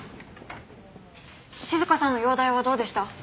静香さんの容体はどうでした？